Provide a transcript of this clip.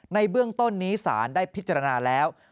ในเบื้องต้นนี้สารได้พิจารณาแล้ว